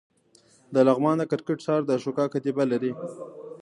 د لغمان د کرکټ ښار د اشوکا کتیبه لري